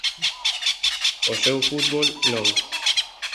O seu fútbol, non.